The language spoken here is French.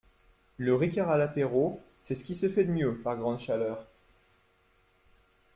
Le Ricard à l’apéro c’est ce qui se fait de mieux par grande chaleur.